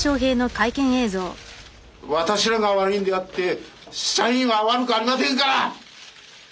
私らが悪いんであって社員は悪くありませんから！